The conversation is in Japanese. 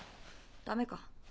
ダメか。